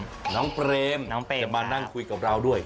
พี่ลูกแรมจะมานั่งคุยกับเราด้วย